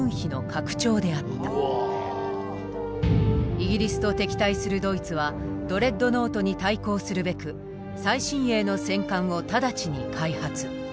イギリスと敵対するドイツはドレッドノートに対抗するべく最新鋭の戦艦を直ちに開発。